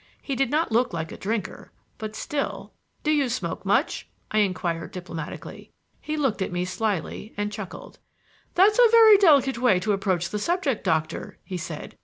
He did not look like a drinker, but still "Do you smoke much?" I inquired diplomatically. He looked at me slyly and chuckled. "That's a very delicate way to approach the subject, Doctor," he said.